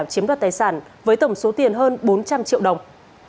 hùng đã chiếm đoạt tài sản với tổng số tiền hơn bốn trăm linh triệu đồng